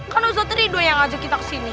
kan usah teriduan yang ngajak kita kesini